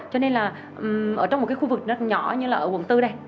cho nên là ở trong một khu vực nhỏ như là quận bốn đây